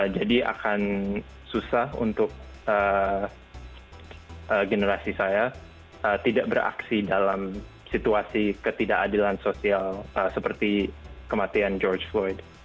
akan susah untuk generasi saya tidak beraksi dalam situasi ketidakadilan sosial seperti kematian george floyd